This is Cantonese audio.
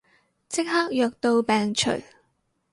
即刻藥到病除